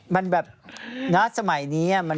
มันแบบน่าสมัยนี้อะมัน